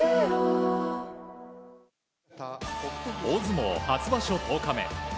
大相撲初場所１０日目。